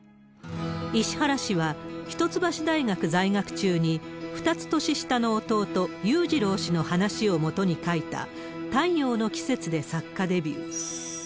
石原氏は、一橋大学在学中に、２つ年下の弟、裕次郎氏の話をもとに書いた、太陽の季節で作家デビュー。